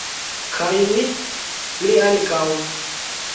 kaj mi, mi ankaŭ!